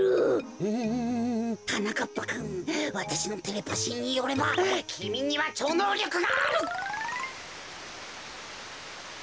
うんはなかっぱくんわたしのテレパシーによればきみにはちょうのうりょくがある！